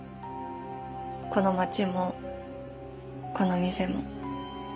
この町もこの店も。